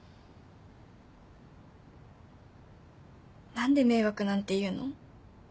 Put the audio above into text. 何で迷惑なんて言うの？